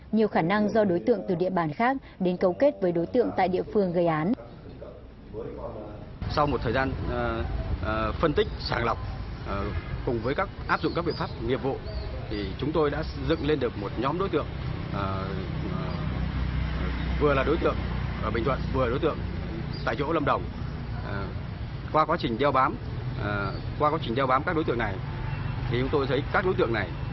nhiều khả năng do đối tượng từ địa bàn khác đến cấu kết với đối tượng tại địa phương gây án